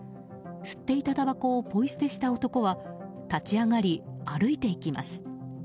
吸っていたたばこをポイ捨てした男は立ち上がり歩いていきます。